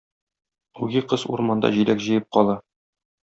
Үги кыз урманда җиләк җыеп кала.